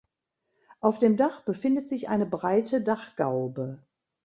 Auf dem Dach befindet sich eine breite Dachgaube.